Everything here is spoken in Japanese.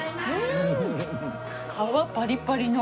皮パリパリの。